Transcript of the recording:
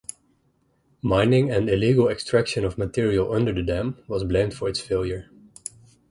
Mining and illegal extraction of material under the dam was blamed for its failure.